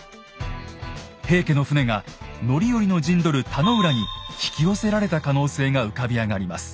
平家の船が範頼の陣取る田野浦に引き寄せられた可能性が浮かび上がります。